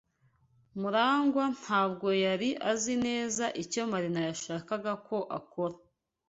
MuragwA ntabwo yari azi neza icyo Marina yashakaga ko akora.